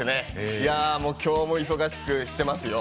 今日も忙しくしてますよ。